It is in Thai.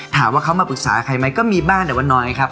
ถามว่าเขามาปรึกษาใครไหมก็มีบ้างแต่ว่าน้อยครับ